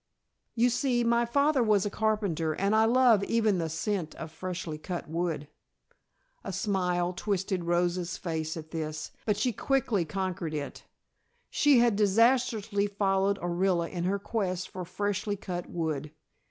"You see, my father was a carpenter and I love even the scent of freshly cut wood." A smile twisted Rosa's face at this, but she quickly conquered it. She had disastrously followed Orilla in her quest for freshly cut wood.